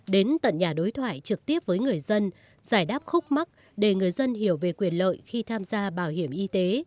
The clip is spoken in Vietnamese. đến tận nhà đối thoại trực tiếp với người dân giải đáp khúc mắc để người dân hiểu về quyền lợi khi tham gia bảo hiểm y tế